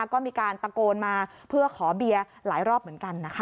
ก็มีการตะโกนมาเพื่อขอเบียร์หลายรอบเหมือนกันนะคะ